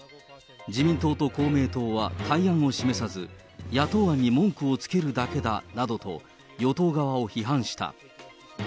自民党と公明党は対案を示さず、野党案に文句をつけるだけだなどと、与党側を批判した。